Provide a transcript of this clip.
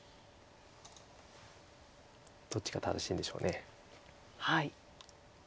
どっちが正しいんでしょう。